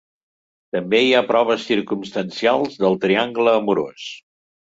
També hi ha proves circumstancials del triangle amorós.